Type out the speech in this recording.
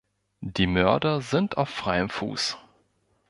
Die Mörder sind auf freiem Fuß.